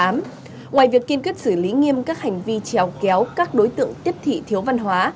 ngoài việc kiên quyết xử lý nghiêm các hành vi trèo kéo các đối tượng tiếp thị thiếu văn hóa